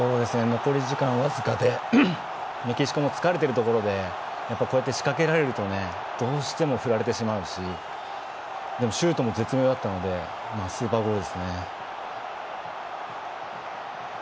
残り時間わずかでメキシコも疲れているところでやっぱりこうやって仕掛けられるとね、どうしても振られてしまうしでもシュートも絶妙だったのでまあスーパーゴールですね。